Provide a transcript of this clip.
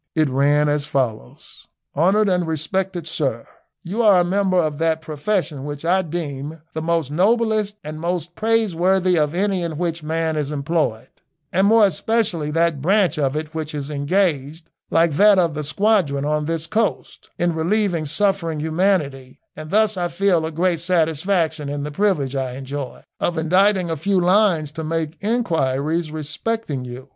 It ran as follows: "Honoured and respected Sir, You are a member of that profession which I deem the noblest and most praiseworthy of any in which man is employed, and more especially that branch of it which is engaged, like that of the squadron on this coast, in relieving suffering humanity, and thus I feel a great satisfaction in the privilege I enjoy of inditing a few lines to make inquiries respecting you.